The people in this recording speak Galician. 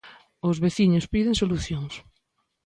Os veciños piden solucións.